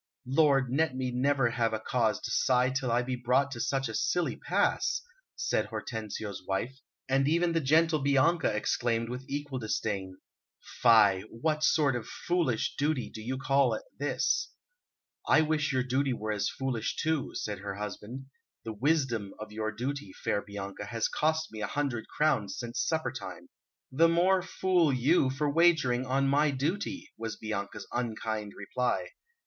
"Lord, let me never have a cause to sigh till I be brought to such a silly pass," said Hortensio's wife, and even the gentle Bianca exclaimed with equal disdain: "Fie! what sort of foolish duty do you call this?" "I wish your duty were as foolish, too," said her husband. "The wisdom of your duty, fair Bianca, has cost me a hundred crowns since supper time." "The more fool you, for wagering on my duty!" was Bianca's unkind reply.